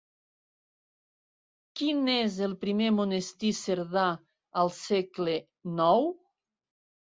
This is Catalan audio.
Quin és el primer monestir cerdà al segle ix?